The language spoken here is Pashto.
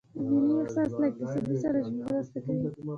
د ملي احساس له اقتصاد سره مرسته کوي؟